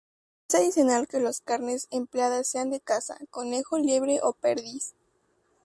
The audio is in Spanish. Es tradicional que las carnes empleadas sean de caza: conejo, liebre o perdiz.